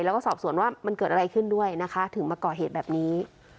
แล้วก็สอบสวนว่ามันเกิดอะไรขึ้นด้วยนะคะถึงมาก่อเหตุแบบนี้